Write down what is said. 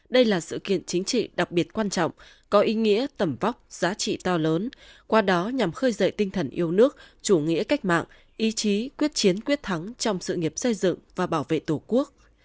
đây là sự kiện chính trị đặc biệt quan trọng có ý nghĩa tầm vóc giá trị to lớn qua đó nhằm khơi dậy tinh thần yêu nước chủ nghĩa cách mạng ý chí quyết chiến quyết thắng trong sự nghiệp xây dựng và bảo vệ tổ quốc